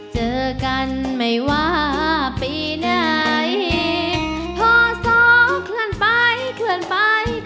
สวัสดีครับ